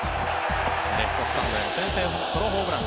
レフトスタンドへの先制ソロホームラン。